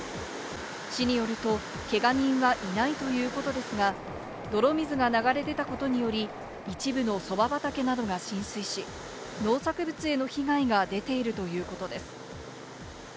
市によると、けが人はいないということですが、泥水が流れ出たことにより、一部のそば畑などが浸水し、農作物への被害が出ているということです。